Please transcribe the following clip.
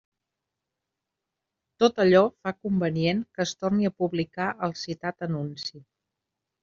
Tot allò fa convenient que es torne a publicar el citat anunci.